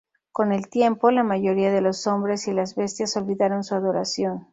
Con el tiempo, la mayoría de los hombres y las bestias olvidaron su adoración.